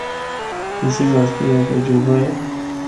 اسی واسطے اے ہک عجوبہ ہے۔